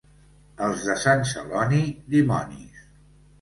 Els de Sant Celoni, dimonis.